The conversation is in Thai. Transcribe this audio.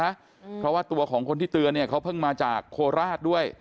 เพราะว่าตัวของคนที่เตือนเนี่ยเขาเพิ่งมาจากโคราชด้วย